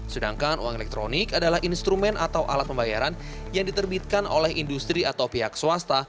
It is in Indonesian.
sedangkan uang elektronik adalah instrumen atau alat pembayaran yang diterbitkan oleh industri atau pihak swasta